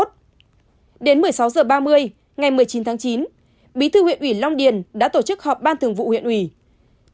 đến một mươi sáu h ba mươi ngày một mươi chín tháng chín bí thư huyện ủy long điền đã tổ chức họp ban thường vụ huyện ủy